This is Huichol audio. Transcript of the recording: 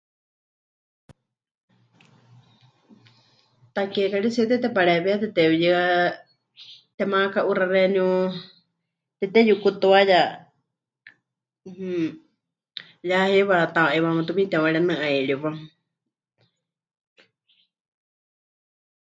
Takiekaritsie tetepareewíetɨ tepɨyɨa, temaka'uxa xeeníu, temɨteyukutuaya, mmm ya heiwa ta'iwaáma tumiini temɨwarenɨ'airiwa.